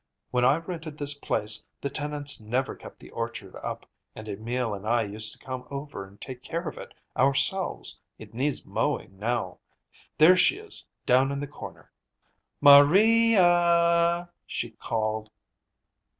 When I rented this place, the tenants never kept the orchard up, and Emil and I used to come over and take care of it ourselves. It needs mowing now. There she is, down in the corner. Maria a a!" she called.